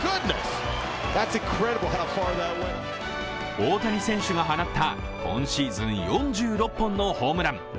大谷選手が放った今シーズン４６本のホームラン。